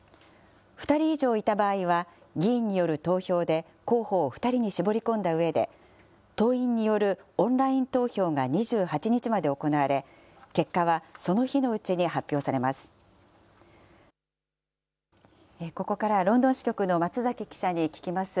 ２人以上いた場合は、議員による投票で候補を２人に絞り込んだうえで、党員によるオンライン投票が２８日まで行われ、結果はその日のうちに発表されます。